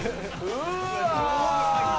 うわ！